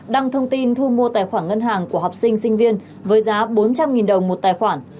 đăng thông tin thu mua tài khoản ngân hàng của học sinh sinh viên với giá bốn trăm linh đồng một tài khoản